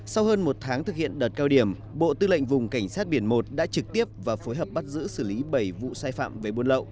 sau hơn một tháng thực hiện đợt cao điểm bộ tư lệnh vùng cảnh sát biển một đã trực tiếp và phối hợp bắt giữ xử lý bảy vụ sai phạm về buôn lậu